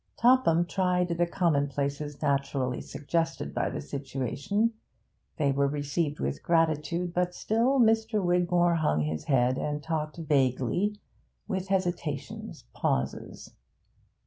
Topham tried the commonplaces naturally suggested by the situation; they were received with gratitude, but still Mr. Wigmore hung his head and talked vaguely, with hesitations, pauses.